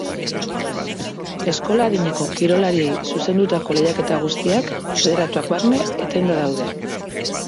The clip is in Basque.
Eskola-adineko kirolariei zuzendutako lehiaketa guztiak, federatuak barne, etenda daude.